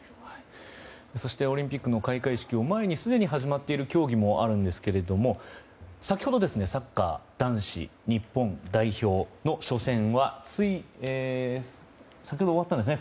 そしてオリンピックの開会式を前にすでに始まっている競技もあるんですが先ほどサッカー男子日本代表の初戦は先ほど終わったんですね。